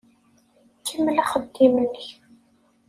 Kemmel axeddim-nnek.